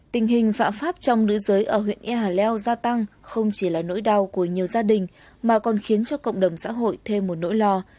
tình hình phạm pháp trong nữ giới ở huyện ea leo gia tăng không chỉ là nỗi đau của nhiều gia đình mà còn khiến cho cộng đồng xã hội thêm một nỗi lo